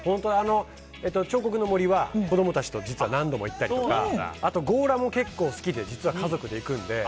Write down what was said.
彫刻の森は子供たちと実は何度も行ったりとかあと強羅も結構好きで実は家族で行くので。